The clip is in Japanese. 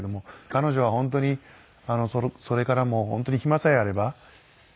彼女は本当にそれからも本当に暇さえあれば見舞いに。